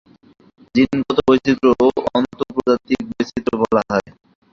জিনগত বৈচিত্র্য কে অন্তঃপ্রজাতিক বৈচিত্র্যও বলা হয়।